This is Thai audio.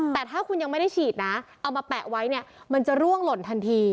แต่ถ้าคุณยังไม่ได้ฉีดนะเอามาแปะไว้เนี่ยมันจะร่วงหล่นทันที